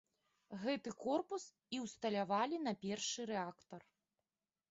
Гэты корпус і ўсталявалі на першы рэактар.